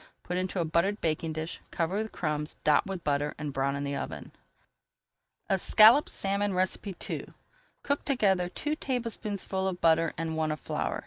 Put into a buttered baking dish, cover with crumbs, dot with butter, and brown in the oven. ESCALLOPED SALMON II Cook together two tablespoonfuls of butter and one of flour.